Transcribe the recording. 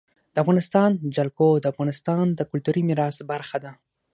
د افغانستان جلکو د افغانستان د کلتوري میراث برخه ده.